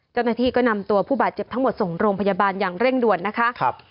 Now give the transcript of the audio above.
เจ้าหน้าที่ก็นำตัวผู้บาดเจ็บทั้งหมดส่งโรงพยาบาลอย่างเร่งด่วนนะคะ